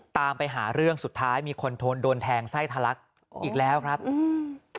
ตามไปหาเรื่องสุดท้ายมีคนโดนแทงไส้ทะลักอีกแล้วครับอืม